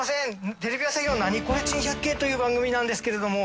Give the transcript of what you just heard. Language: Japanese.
テレビ朝日の『ナニコレ珍百景』という番組なんですけれども。